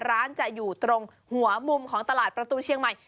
ร้านจะอยู่ตรงหัวมุมของตลาดประตูเชียงใหม่